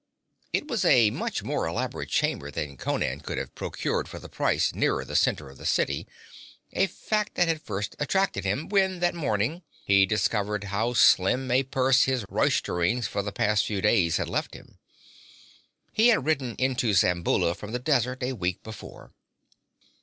It was a much more elaborate chamber than Conan could have procured for the price nearer the center of the city a fact that had first attracted him, when, that morning, he discovered how slim a purse his roisterings for the past few days had left him. He had ridden into Zamboula from the desert a week before.